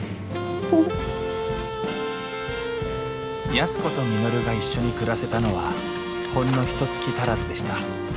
安子と稔が一緒に暮らせたのはほんのひとつき足らずでした。